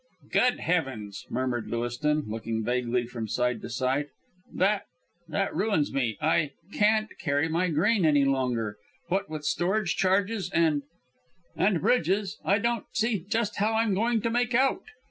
"Good heavens," murmured Lewiston, looking vaguely from side to side. "That that ruins me. I can't carry my grain any longer what with storage charges and and Bridges, I don't see just how I'm going to make out.